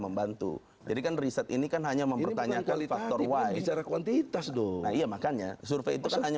tentu jadi kan riset ini kan hanya mempertanyakan faktor y nah iya makanya survei itu hanya